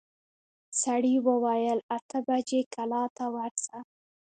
سړي وويل اته بجې کلا ته ورسه.